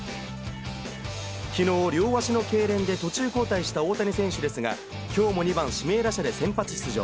きのう、両足のけいれんで途中交代した大谷選手ですが、きょうも２番指名打者で先発出場。